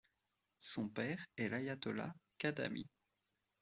Son père est l'ayatollah Khatami.